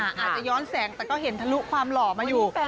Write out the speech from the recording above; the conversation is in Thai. อาจจะย้อนแสงแต่ก็เห็นทะลุความหล่อมาอยู่